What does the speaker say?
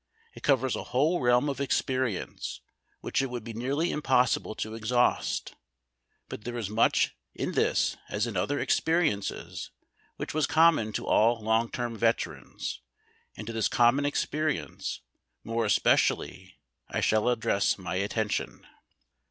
It covers a whole realm of experience which it would be nearly impossible to exhaust. But there is much in this as in other experiences whicli was common to all long term veterans, and to this com mon experience more especially I shall address my attention.